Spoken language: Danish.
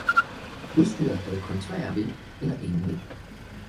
Udstyret havde kontrær vind eller ingen vind.